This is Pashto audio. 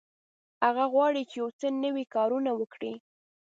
هغه غواړي چې یو څه نوي کارونه وکړي.